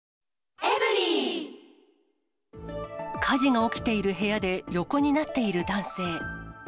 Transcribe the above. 火事の起きている部屋で横になっている男性。